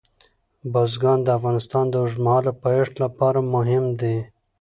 بزګان د افغانستان د اوږدمهاله پایښت لپاره مهم دي.